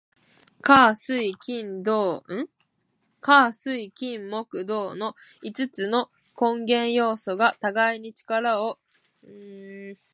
水・火・金・木・土の五つの根元要素が互いに力を減じ合い、水は火に、火は金に、金は木に、木は土に、土は水に勝つという考え方。五行の徳を歴代の王朝にあてはめて変遷の順を理論づけた学説の一つ。